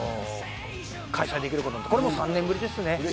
開催できることになって、これも３年ぶりですね。